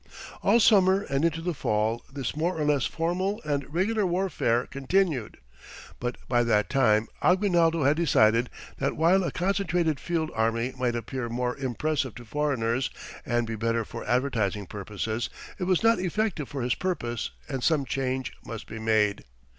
All summer and into the fall this more or less formal and regular warfare continued. But by that time Aguinaldo had decided that while a concentrated field army might appear more impressive to foreigners and be better for advertising purposes, it was not effective for his purpose, and some change must be made.